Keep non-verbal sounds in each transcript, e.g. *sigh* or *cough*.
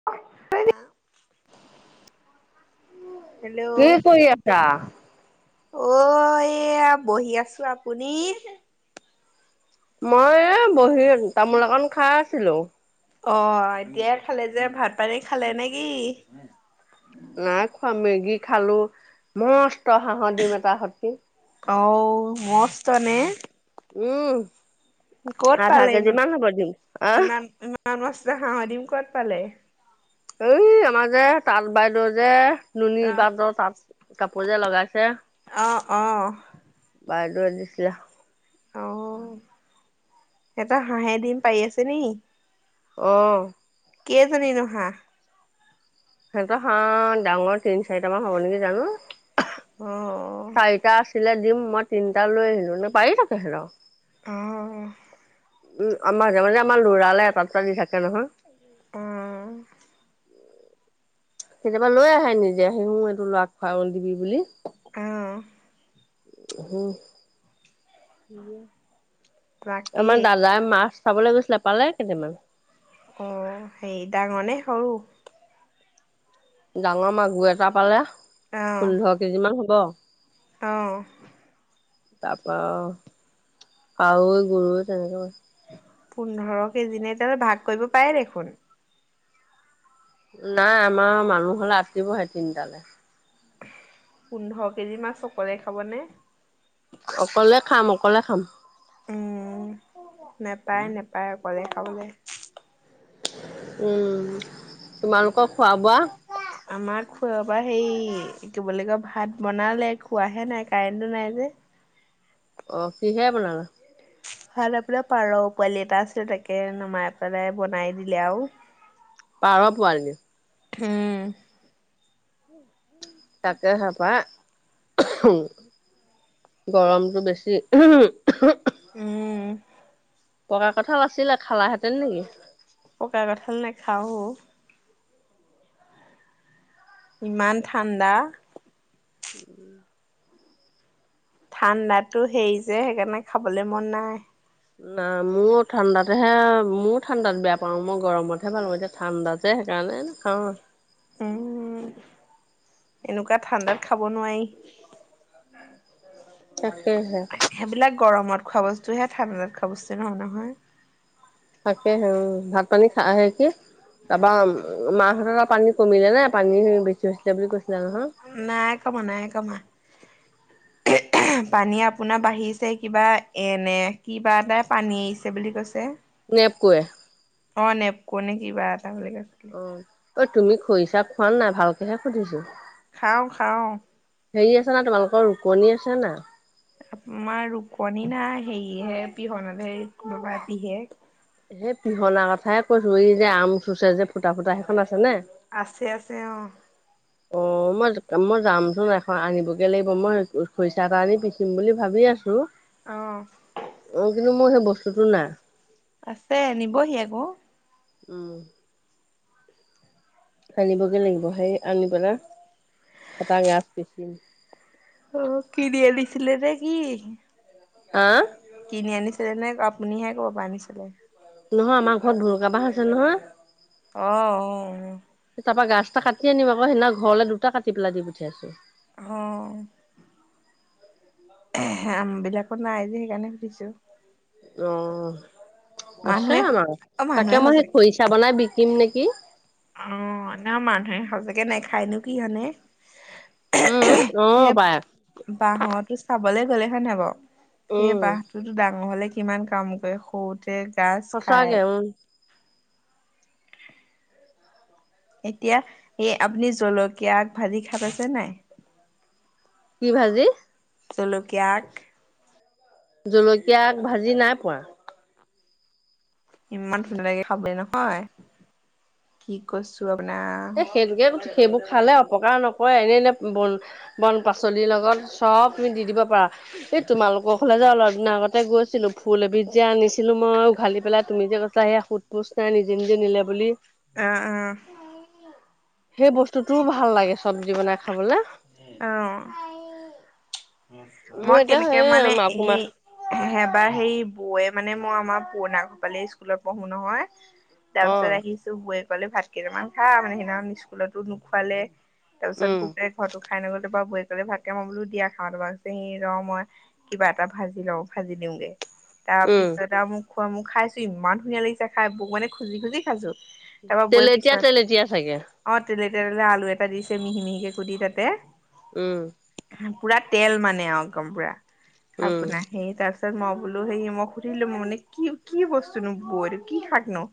*unintelligible* কি হেল্ল' কৰি আছা? অ এয়া বহি আছো। আপুনি? মই এ বহী তামোল অকণ খাই আছিলো। অ এতিয়াই খালে যে ভাত পানী খালে নেকি? নাই খোৱা, মেগী খালো মস্ত হাঁহৰ দিম এটা সতি। অ মস্থ নে? উম ক'ত আধা কেজি মান হ'ব দিম আহ মাস্থ হাঁহৰ দিম ক'ত পালে? এই আমাৰ যে তাঁত বাইদেউ যে অ' নুনীবাদ তাত কাপোৰ যে লগাইছে অ' অ' বাইদেউৱে দিছে। অ এটা হাঁহে দিম পাৰি আছে নেকি? অ। কেইজনীনো হাঁহ? সিহঁতৰ হাঁহ ডাঙৰ তিন চাৰিটা মান হ'ব নেকি জানো, অ' চাৰিটা আছে লে দিম মই তিনিটা লৈ আহিলোঁ, এনে পাৰি থাকে সিহঁতৰ। অ' উম আমাৰ লৰালে *inaudible* এটা দুটা দি থাকে নহয় উম। কেতিয়াবা লৈ আহে নিজে সেইটো সেইবোৰ লৰাক খোৱাবলৈ দিবি বুলি। অঁ। *inaudible* বাকী আমাৰ সেই দাদাই মাছ চাবলৈ গৈছিলে পালে কেইটামান। অ সেৰি ডাঙৰনে সৰু? ডাঙৰ মাগুৰ এটা পালে অ' পোন্ধৰ কেজিমান হ'ব। অঁ। তাৰ পৰা কাৱৈ গৰৈ তেনেকে। পোন্ধৰ কেজি নে তেতিয়া হ'লে ভাগ কৰিব পাৰে দেখোন। নাই আমাৰ মানুহ হলে আতিবহে তিনটালে। পোন্ধৰ কেজিমান মাছ অকলে খাবনে? অকলে খাম অকলে খাম। উম নাপায় নাপায় অকলে খাবলে। উম তোমালোকৰ খোৱা বোৱা। আমাৰ খোৱা বোৱা হেৰি কি বুলি কয় ভাত বনালে খোৱাহে নাই কাৰেণ্টটো নাই যে। অ কিহে বনালা? ভালপৰা পাৰ পোৱালি এটা আছিল তাকে নমাই পেলাই বনাই দিলে আৰু। *inaudible* পাৰ পোৱালী। হুম উ *inaudible* তাতে চাবা গৰমটো বেছি উম হ হুম উম। পকা কঁঠাল আছিলে খালাহেঁতেন নেকি? পকা কঁঠাল নেখাওঁ অ। ইমান ঠাণ্ডা। ঠাণ্ডাটো হেৰি যে সেইকাৰণে খাবলৈ মন নাই। নাই মোৰো ঠাণ্ডাতহে মোয়ো ঠাণ্ডাত বেয়া পাওঁ মই গৰমতহে ভাল হয় এতিয়া ঠাণ্ডা যে সেইকাৰণে খাওঁ আৰু উম এনেকুৱা ঠাণ্ডাত খাব নোৱাৰি। তাকেহে। সেইবিলাক গৰমত খোৱা বস্তু হে ঠাণ্ডাত খোৱা বস্তু নহয় নহয় তাকেহে ভাত পানী খাহে কি? তাৰপৰা মাহঁতৰ তাতে পানী কমিলে নে পানী বেছি হৈছিলে বুলি কৈছিলে নহয়। নাই কমা নাই কমা। পানী আপোনাৰ বাঢ়িছে কিবা এনে কিবা এটাই পানী এৰিছে বুলি কৈছে। নেপকোৱে। অ নেপকো নে কি এটা বুলি কৈছিল। অ ঐ তুমি খৰিচা খোৱান নাই ভালকেহে সুধিছো? খাওঁ খাওঁ। হেৰি আছে নাই তোমালোকৰ ৰুকনি আছে নাই? আমাৰ ৰুকনি নাই হেৰিহে পিহনা দিহে পিহে। সেই পিহনা কথাই কৈছো এই যে আম চুচে যে ফুটা ফুটা সেইখন আছে নাই? আছে আছে অহ'। অঁ' মই মই যামচোন এখন আনিবগে লাগিব মই খৰিচা এটা আনি পিচিম বুলি ভাবি আছোঁ। অ অঁ' কিন্তু মোৰ সেই বস্তুটো নাই। আছে নিবহি আকৌ। উমঁ। আনিবগৈ লাগিব। সেই আনি পেলাই এটা গাজ পিচিম। অঁ' কিনি আনিছিলে নে কি? হা? কিনি আনিছিলে নে আপুনিহে কৰ পৰা আনিছিলে? নহয়, আমাৰ ঘৰত ভুলুকা বাঁহ আছে নহয়। অঁ' উমঁ উমঁ। তাৰ পৰা গাছ এটা কাটি আনিম আকৌ সেইদিনা ঘৰলে দুটা কাটি পেলাই দি পঠিয়াইছোঁ। অঁ। আমবিলাকত নাই যে সেইকাৰণে সুধিছোঁ। অঁ' মানুহে আছে আমাৰ অ মানুহে তাকে মই সঁচাকে সেই খৰিচা বনাই বিকিম নেকি। অঁ' ন মানুহে সচাকে নেখায়নো কি হনে। উম, অ', সেই পাই, বাঁহৰটো চাবলে গ'লে হয় নহয় বাৰু সেই উম, বাঁহ টোতো ডাঙৰ হ'লে কিমান কাম কৰে, সৰুতে গাছ সঁচাকে খায় উম, *unintelligible* এতিয়া এই আপুনি জলকীয়া আগ ভাজি খাই পাইছে নে নাই? *unintelligible* কি ভাজি? জলকীয়া আগ। জলকীয়া আগ ভাজি নাই পোৱা। ইমান ধুনীয়া লাগে খাবলৈ নহয়, কি কৈছো আপোনাক। এ সেইটোকে, সেইবোৰ খালে অপকাৰ নকৰে এনেই এনেই বন বন পাচলিৰ লগত চ'ব তুমি দি দিব পাৰা। এই তোমালোকৰ ঘৰলে যে অলপ দিনৰ আগতে গৈ ছিলো, ফুল এবিধ যে আনিছিলোঁ মই উঘালি পেলাই তুমি যে কৈছিলা সেইয়া সোধ পোছ নাই নিজে নিজে নিলে বুলি। আহ' আহ'। সেই বস্তুটোও ভাল লাগে চব্জি বনাই খাবলৈ। অঁ। মোৰ মই এতিয়া কেনেকে সেই মানে মাগুমা সেই এবাৰ সেই বৌয়ে মানে মই আমাৰ পুৰণা কোপালে স্কুলত পঢ়ো নহয়। তাৰপিছত অ' আহিছো বৈয়ে ক'লে ভাত কেইটামান খা মানে সেইদিনাখন স্কুলতো নোখোৱালে। তাৰ পিছত উম বোকে ঘৰতো খাই নগলো বৈয়ে ক'লে ভাতকেইটা মান বোলো দিয়া খাওঁ *unintelligible* *unintelligible* মই কিবা এটা ভাজি লওঁ ভাজি দিওঁগে। উম তাৰপিছত আৰু মোক খোৱা মোক খাইছো ইমান ধুনীয়া লাগিছে খাই বৈক মানে খুজি খুজি খাইছো। তাৰপৰা বৈয়ে তেলেতীয়া পিছত তেলেতীয়া চাগে অঁ তেলে তেলে আলু এটা দিছে মিহি মিহিকৈ কুটি তাতে। উমঁ। পুৰা তেল মানে আৰু একদম পুৰা উম আপোনাৰ। সেই তাৰ পিছত মই বোলো সেই মই সুধিলো মই মানে কি বস্তুনো বৈ এইটো কি সে শাক নো।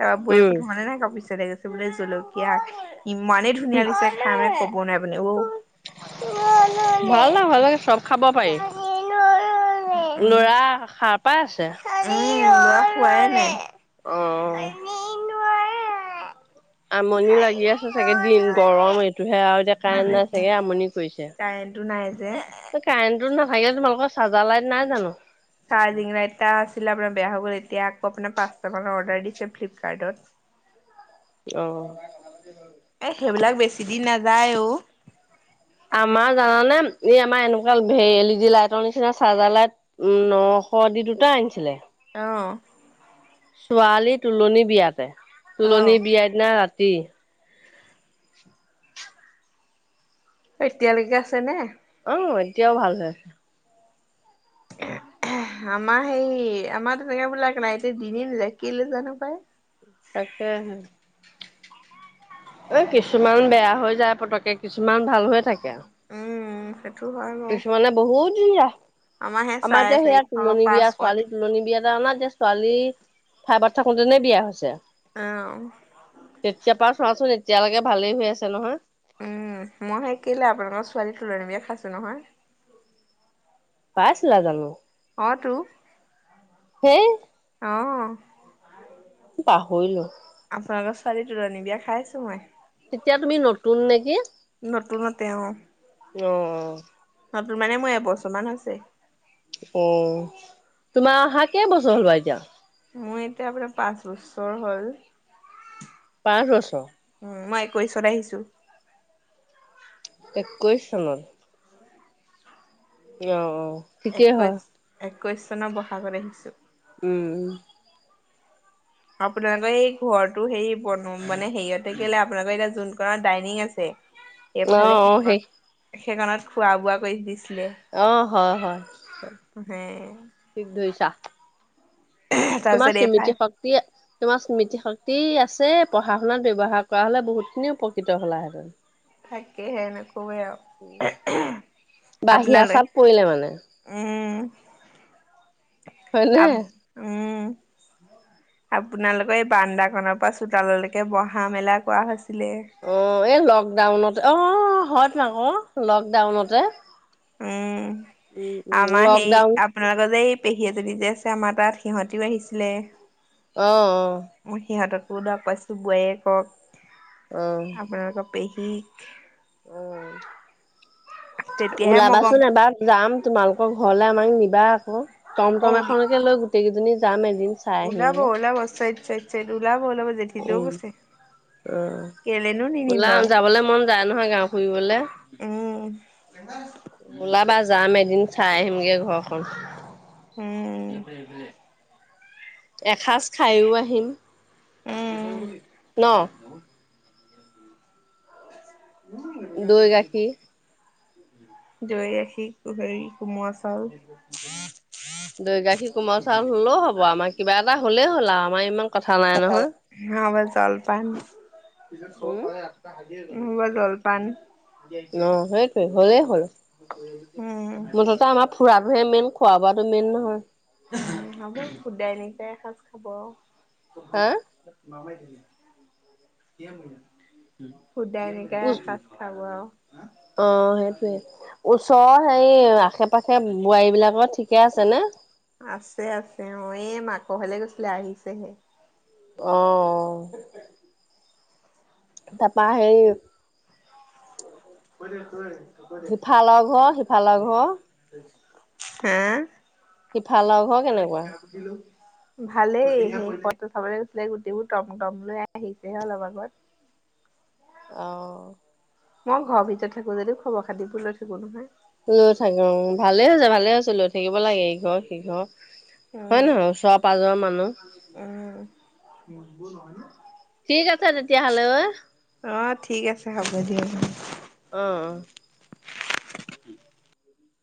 তাৰপৰা বৈ উম প্ৰথমানে নাইক পিছে লাগীছে বোলে জলকীয়া ইমানে ধুনীয়া *unintelligible* বনাই পিনে *unintelligible* ভাল ন ভাল লাগে চব খাব পাৰি। শুৱাই ল'ৰা সাৰ পাই আছে। উম ল'ৰা শুৱাই নাই। অ *unintelligible* আমনি লাগি আছে চাগে দিন গৰম এইটোহে আৰু কাৰেণ্ট নাই চাগে আমনি কৰিছে। কাৰেণ্টটো নাই যে কাৰেণ্টটো নাথাকিলে তোমালোকৰ চাৰ্জাৰ লাইট নাই জানো? চাৰ্জিং লাইট এটা আছিলে আপোনাৰ বেয়া হৈ গ'ল, এতিয়া আকৌ আপোনাৰ পাঁচশ টকাৰ অৰ্ডাৰ দিছে ফ্লিপকাৰ্টত। অ। এ সেইবিলাক বেছি দিন নাযায় অ। আমাৰ জানানে এই আমাৰ এনেকুৱা এল ই ডি লাইটৰ নিচিনা চাৰ্জাৰ লাইট উম নশ দি দুটা আনিছিলে অ। ছোৱালী তুলনি বিয়াতে অ', তুলনি বিয়াৰ দিনা ৰাতি অ এতিয়ালৈকে আছে নে? আহ এতিয়াও ভাল হৈ আছে। আমাৰ সেই আমাৰো তেনেকে লাইটে বিলাক *unintelligible* জানো পাই তাকেহে। এ কিছুমান বেয়া হৈ যায় পতকে কিছুমান ভাল হৈ থাকে। উম সেইটো হয় বাৰু কিছুমানে বহুত যায়। সেই আমাৰ চাৰে এতিয়া সেয়া চাৰিশ তোলনী বিয়া পাঁচশ অ'। ছোৱালী তুলনী বিয়া অনা এটা ছোৱালী ফাইবত থাকোতেনে বিয়া হৈছে। আহ। তেতিয় পৰা চোৱাচোন এতিয়ালৈকে ভালেই হৈ আছে নহয়। উম মই সেই কেলে আপোনালোকৰ ছোৱালী তুলনী বিয়া খাইছো নহয়। পাইছিলা জানো? অ তু হে অ। পাহৰিলোঁ। আপোনালোকৰ ছোৱালী তোলনি বিয়া খাই আছো মই। তেতিয়া তুমি নতুন নেকি নতুনতে অ'। অ। নতুন মানে মই এবছৰমান হৈছে। অ তোমাৰ অহা কেই বছৰ হ'ল বাৰু এতিয়া? মোৰ এতিয়া প্ৰায় পাঁচ বছৰ হ'ল। পাঁচ বছৰ? উম মই একৈছত আহিছো। একৈছ চনত? অ অ। ঠিকেই একৈছ হয় একৈছ চনৰ বহাগত আহিছোঁ। উম। আপোনালোকৰ এই ঘৰটো হেৰি বন মানে হেৰিয়তে কেলে আপোনালোকৰ এতিয়া যোন কোনোত ডাইনিং আছে অ এইফালে অ সেই সেইকন সেইকনত খোৱা বোৱা কৰি দিছিলে। অ হয় হয় হে ঠিক ধৰিছা। তোমাৰ তাৰপিছত এইফাল স্মৃতি শক্তিয়ে তোমাৰ স্মৃতি শক্তি আছে। পঢ়া-শুনাত ব্যৱহাৰ কৰা হ'লে বহুতখিনি উপকৃত হ'লাহেঁতেন। তাকেহে নকবি আও। বাহিয়া চাপ পৰিলে মানে। উম, হয়নে? আপ্ উম। আপোনালোকৰ এই বান্দাকনৰ পৰা চোতাললৈকে বহা-মেলা কোৱা হৈছিলে। অঁ, এই লকডাউনতে অঁ, হয়টো আক' লকডাউনতে। উম ওঁ, ওঁ আমাৰ সেই লকডাউন আপোনালোকৰ যে এই পেহী এজনী যে আছে আমাৰ তাত সিহঁতিও আহিছিলে। অঁ, অঁ। মই সিহঁতকো লগ পাইছোঁ বোৱাৰীয়েকক, অ', আপোনালোকৰ পেহীক। উম, তেতিয়াহে মই গম ওলাবাচোন এবাৰ। যাম। তোমালোকৰ ঘৰলে আমাক নিবা আক'। টম অ টম এখনকে লৈ গোটেইকেইজনী যাম এদিন। চাই ওলাব আহিমগে। ওলাব চাইত চাইত চাইত ওলাব ওলাব জেঠীটো কৈছে। অঁ, কেলেনো নিনিম ওলাম বাৰু যাবলে মন যায় নহয়, গাওঁ ফুৰিবলে। উম ওলাবা, যাম এদিন চাই আহিমগে ঘৰখন। উম। এসাঁজ খাইওঁ আহিম উম। ন'? দৈ গাখীৰ *unintelligible* দৈ গাখী, হেৰি কোমৰা চাউল। দৈ গাখীৰ, কোমল চাউল হ'লেও হ'ব। আমাৰ কিবা এটা হ'লেই হ'ল আৰু আমাৰ ইমান কথা নাই নহয় কোমল চাউল খাব জলপান। উম *unintelligible* নহ'বা জলপান ন সেইটোৱে হলেই হ'ল উম, ওঁ। ফুৰাবোৰহে মেইন, খোৱা-বোৱাটো মেইন নহয়। হ'ব, শুদাই নকাই এসাজ খাব আও। হা শুদাই - নিকাই এসাজ খাব আও। অঁ, সেইটোৱে। ওচৰৰ হেৰি আশে-পাশে বোৱাৰী বিলাকৰ ঠিকে আছে নে? আছে, আছে অঁ। এ মাক ঘৰলে গৈছিলে আহিছেহে। অঁ, অঁ। তাপা হেৰি সিফালৰ ঘৰ, সিফালৰ ঘৰ। হেঁ? সিফালৰ ঘৰ কেনেকুৱা ভালেই। মোৰ পত্ৰ চাবলৈ গৈছিলে গুটেইবোৰ টম টম লৈ আহিছেহে অলপ আগত। অঁ। মই ঘৰৰ ভিতৰত থাকোঁ যদিও খবৰ-খাতিবোৰ লৈ থাকোঁ নহয়। লৈ থাকে অঁ। ভালে হৈছে ভালে হৈছে লৈ থাকিব লাগে ইঘৰ সিঘৰ হয়, নহয়? ওচৰ- পাজৰ মানু্হ। অঁ। ঠিক আছে তেতিয়া হ'লে অ'। অঁ, ঠিক আছে হ'ব দিয়ক। অঁ, অঁ। *inaudible*